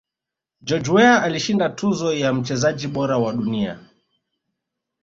george Weah alishinda tuzo ya mchezaji bora wa dunia